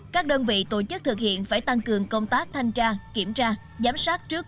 các đơn vị tổ chức thực hiện phải tăng cường công tác thanh tra kiểm tra giám sát trước